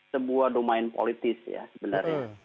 sebuah domain politis ya